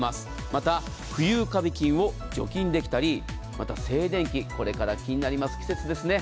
また、浮遊カビ菌を除菌できたり静電気これから気になる季節ですよね。